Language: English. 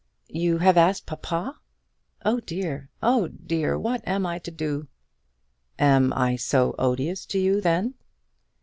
"You have asked papa? Oh dear, oh dear, what am I to do?" "Am I so odious to you then?"